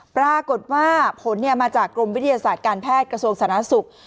ปรากฏว่าผลมาจากกรมวิทยาศาสตร์การแพทย์กระทรวงสาธารณสุข